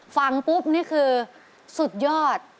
ฟังปุ๊บนี่คือสุดยอด